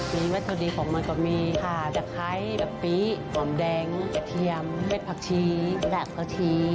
มีวัตถุดีของมันก็มีค่ะตะไคร้แบบปิหอมแดงกระเทียมเม็ดผักชีแบบกะที